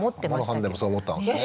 天野さんでもそう思ったんですね。